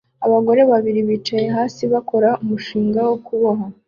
Abagore babiri bicaye hasi bakora umushinga wo kuboha